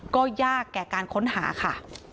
ก็ยากแก่การค้นหาค่ะ